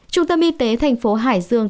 trung tâm y tế tp hải dương